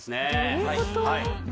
どういうこと？